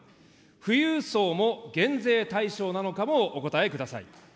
富裕層も減税対象なのかもお答えください。